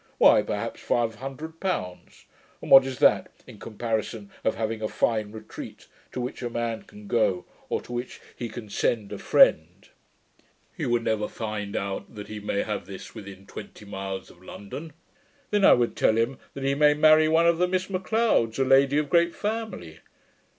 Why, perhaps, five hundred pounds; and what is that, in comparison of having a fine retreat, to which a man can go, or to which he can send a friend " He would never find out that he may have this within twenty miles of London. Then I would tell him, that he may marry one of the Miss M'Leods, a lady of great family.